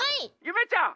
ゆめちゃん！